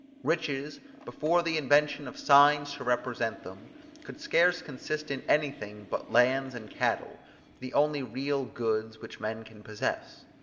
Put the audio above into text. Riches, before the invention of signs to represent them, could scarce consist in anything but lands and cattle, the only real goods which men can possess.